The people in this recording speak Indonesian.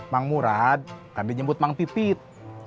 mang murad tadi jemput mang pipit